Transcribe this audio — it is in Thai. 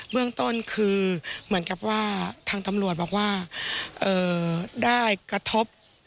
เรื่องต้นคือเหมือนกับว่าทางตำรวจบอกว่าได้กระทบ